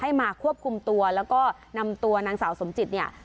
มาควบคุมตัวแล้วก็นำตัวนางสาวสมจิตเนี่ย